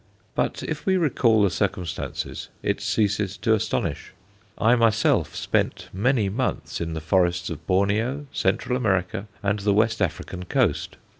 But if we recall the circumstances it ceases to astonish. I myself spent many months in the forests of Borneo, Central America, and the West African coast.